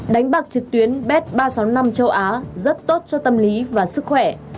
đánh bạc trực tuyến bet ba trăm sáu mươi năm châu á rất tốt cho tâm lý và sức khỏe